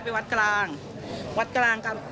พบหน้าลูกแบบเป็นร่างไร้วิญญาณ